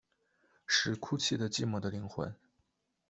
是哭泣的寂寞的灵魂